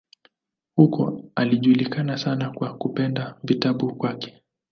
Huko alijulikana sana kwa kupenda vitabu kwake.